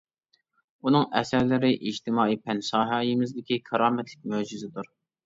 ئۇنىڭ ئەسەرلىرى ئىجتىمائىي پەن ساھەيىمىزدىكى كارامەتلىك مۆجىزىدۇر.